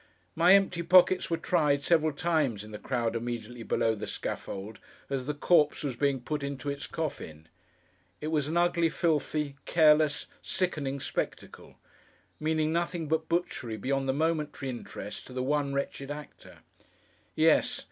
My empty pockets were tried, several times, in the crowd immediately below the scaffold, as the corpse was being put into its coffin. It was an ugly, filthy, careless, sickening spectacle; meaning nothing but butchery beyond the momentary interest, to the one wretched actor. Yes!